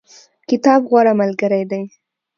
کتاب غوره ملګری دی